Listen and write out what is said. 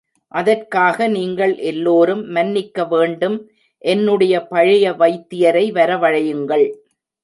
அதற்காக நீங்கள் எல்லோரும் மன்னிக்க வேண்டும் என்னுடைய பழைய வைத்தியரை வரவழையுங்கள்.